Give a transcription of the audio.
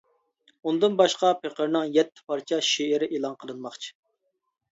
ئۇندىن باشقا پېقىرنىڭ يەتتە پارچە شېئىرى ئېلان قىلىنماقچى.